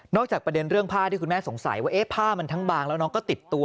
จากประเด็นเรื่องผ้าที่คุณแม่สงสัยว่าผ้ามันทั้งบางแล้วน้องก็ติดตัว